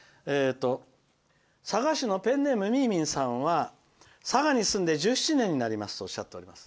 佐賀市のペンネームみーみーさんは佐賀に住んで１７年になりますとおっしゃっております。